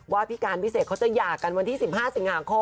ว่าพิการพี่เศจเขาจะหย่ากันวันที่สศ